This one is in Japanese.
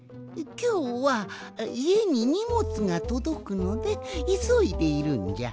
きょうはいえににもつがとどくのでいそいでいるんじゃ。